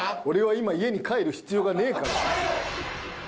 「俺は今家に帰る必要がねえから」